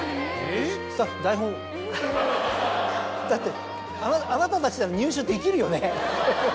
だってあなたたちなら入手できるよね？